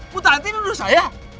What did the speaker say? mutanti luduh saya